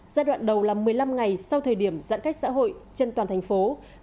giai đoạn đầu là một mươi năm ngày sau thời điểm giãn cách xã hội trên toàn thành phố